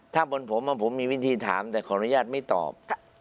ถ้าบนผมผมมีวิธีถามแต่ขออนุญาตไม่ตอบ